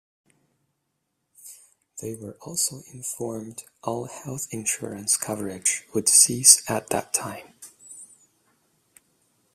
They were also informed all health insurance coverage would cease at that time.